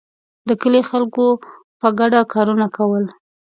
د کلي خلکو په ګډه کارونه کول.